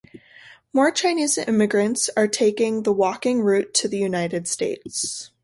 More Chinese immigrants are taking the walking route to the United States.